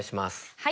はい。